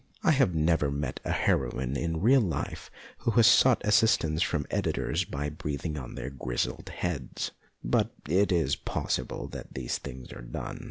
I have never met a heroine in real life who has sought assistance from editors by breathing on their grizzled heads, but it is possible that these things are done.